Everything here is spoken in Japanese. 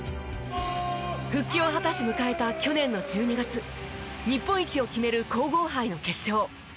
復帰を果たし迎えた去年の１２月日本一を決める皇后杯の決勝。